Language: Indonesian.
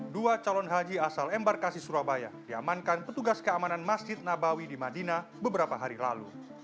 dua calon haji asal embarkasi surabaya diamankan petugas keamanan masjid nabawi di madinah beberapa hari lalu